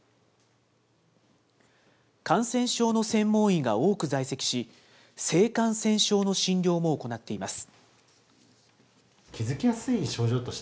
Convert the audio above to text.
感染症の専門医が多く在籍し、性感染症の診療も行っています。